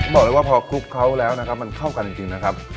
บอกเลยว่าพอคลุกเคล้าแล้วนะครับมันเข้ากันจริงนะครับ